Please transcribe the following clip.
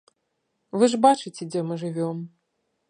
Вы ж бачыце, дзе мы жывём.